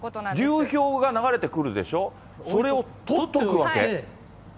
流氷が流れてくるでしょ、それを取っとくわけ？